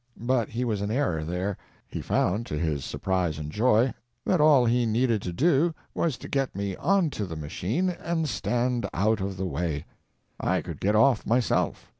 But he was in error there. He found, to his surprise and joy, that all that he needed to do was to get me on to the machine and stand out of the way; I could get off, myself.